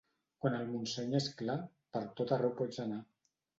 Quan el Montseny és clar, per tot arreu pots anar.